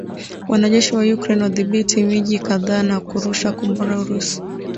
Wanajeshi wa Ukraine wadhibithi miji kadhaa na kurusha Kombora Urusi